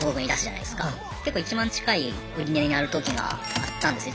結構１万近い売値になるときがあったんですね。